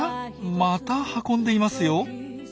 また運んでいますよ。